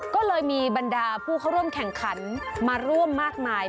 ก็เลยมีบรรดาผู้เข้าร่วมแข่งขันมาร่วมมากมาย